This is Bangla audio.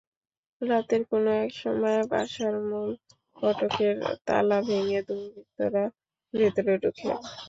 রাতের কোনো একসময় বাসার মূল ফটকের তালা ভেঙে দুর্বৃত্তরা ভেতরে ঢোকে।